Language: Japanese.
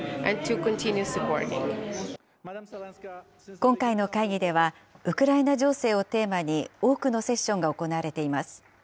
今回の会議では、ウクライナ情勢をテーマに、多くのセッションが行われています。